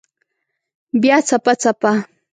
بیا څپه، څپه